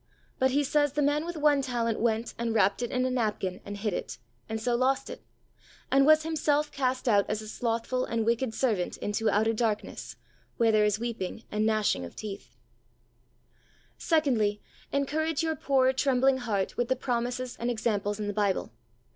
But He says the man with one talent went and wrapped it in a napkin and hid it, and so lost it, and was himself cast out as a slothful and wicked servant into outer darkness, where there is weeping and gnashing of teeth. HEART TALKS ON HOLINESS. II4 Secondly, encourage your poor, trembling heart with the promises and examples in the Bible.